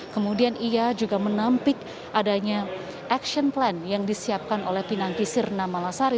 kemudian ia juga menampik adanya action plan yang disiapkan oleh pinangki sirna malasari